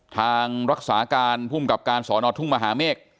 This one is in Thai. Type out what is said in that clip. ทางรักษาการภูมิกับการสอนอทุ่งมหาเมฆ